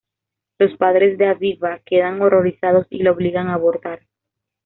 Los padres de Aviva quedan horrorizados y la obligan a abortar.